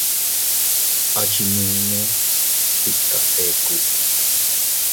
Achinninnu stika ekku.